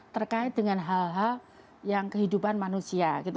terkait dengan hal hal yang kehidupan manusia gitu